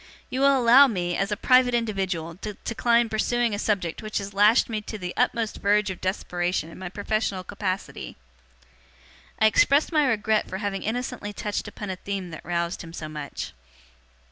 You will allow me, as a private individual, to decline pursuing a subject which has lashed me to the utmost verge of desperation in my professional capacity.' I expressed my regret for having innocently touched upon a theme that roused him so much.